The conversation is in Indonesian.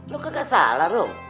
lo kagak salah rom